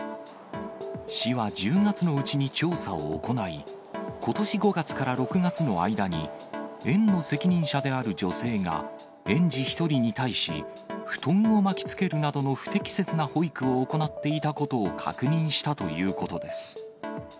市は１０月のうちに調査を行い、ことし５月から６月の間に、園の責任者である女性が、園児１人に対し布団を巻きつけるなどの不適切な保育を行っていたことを確認したということです。